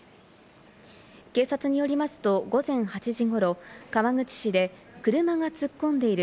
警察によりますと、午前８時ごろ、川口市で車が突っ込んでいる。